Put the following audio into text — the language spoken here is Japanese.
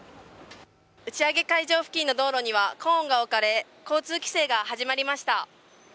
打ち上げ会場規制の道路にはコーンが置かれ、交通規制が始まりました。